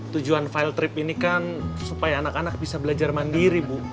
tujuan file trip ini kan supaya anak anak bisa belajar mandiri bu